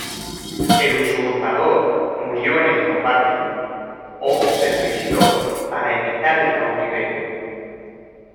El usurpador murió en el combate, o se suicidó para evitar el cautiverio.